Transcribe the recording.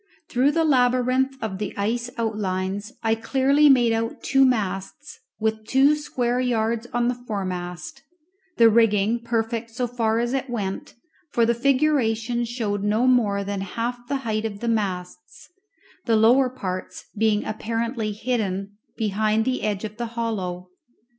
Through the labyrinth of the ice outlines I clearly made out two masts, with two square yards on the foremast, the rigging perfect so far as it went, for the figuration showed no more than half the height of the masts, the lower parts being apparently hidden behind the edge of the hollow.